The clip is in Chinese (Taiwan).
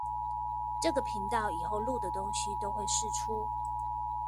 這個頻道以後錄的東西都會釋出